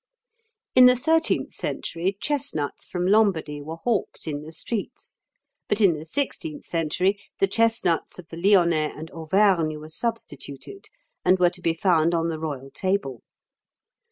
In the thirteenth century, chestnuts from Lombardy were hawked in the streets; but, in the sixteenth century, the chestnuts of the Lyonnais and Auvergne were substituted, and were to be found on the royal table.